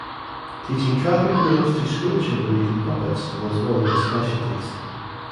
Teaching traffic rules to school children using puppets was one of his specialties.